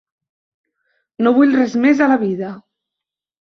No vull res més a la vida.